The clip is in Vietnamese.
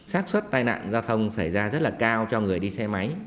sát xuất tai nạn giao thông xảy ra rất là cao cho người đi xe máy